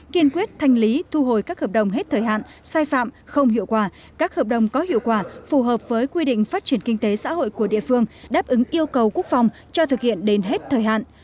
kiên quyết thanh lý thu hồi các hợp đồng hết thời hạn sai phạm không hiệu quả các hợp đồng có hiệu quả phù hợp với quy định phát triển kinh tế xã hội của địa phương đáp ứng yêu cầu quốc phòng cho thực hiện đến hết thời hạn